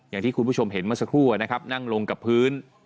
อย่างที่คุณผู้ชมเห็นเมื่อสักครู่นะครับนั่งลงกับพื้น